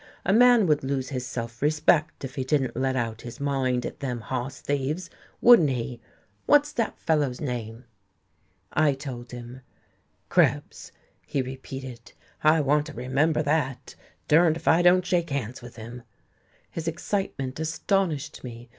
A man would lose his self respect if he didn't let out his mind at them hoss thieves, wouldn't he? What's that fellow's name?" I told him. "Krebs," he repeated. "I want to remember that. Durned if I don't shake hands with him." His excitement astonished me.